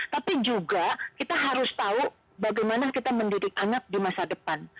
tapi juga kita harus tahu bagaimana kita mendidik anak di masa depan